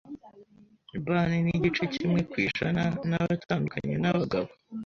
bani nigice kimwe kwijana ni abatandukanye n’abagabo